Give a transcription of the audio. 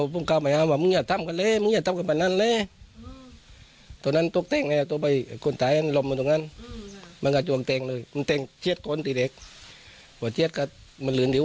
พวกมันยังจะยกมาตีมือด้วย